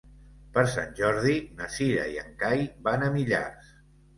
Per Sant Jordi na Cira i en Cai van a Millars.